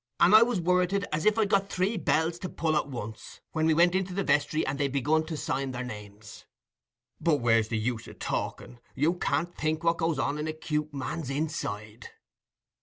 And I was worreted as if I'd got three bells to pull at once, when we went into the vestry, and they begun to sign their names. But where's the use o' talking?—you can't think what goes on in a 'cute man's inside."